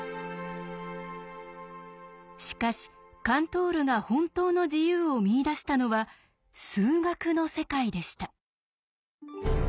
しかしカントールが本当の自由を見いだしたのは数学の世界でした。